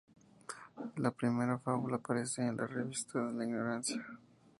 La primera fábula aparece en la revista "La Ignorancia".